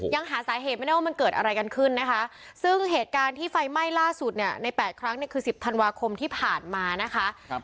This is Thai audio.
ยังหาสาเหตุไม่ได้ว่ามันเกิดอะไรกันขึ้นนะคะซึ่งเหตุการณ์ที่ไฟไหม้ล่าสุดเนี่ยใน๘ครั้งเนี่ยคือ๑๐ธันวาคมที่ผ่านมานะคะ